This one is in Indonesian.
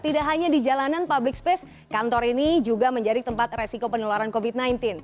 tidak hanya di jalanan public space kantor ini juga menjadi tempat resiko penularan covid sembilan belas